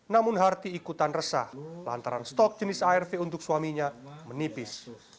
namun harti ikutan resah lantaran stok jenis arv untuk suaminya menipis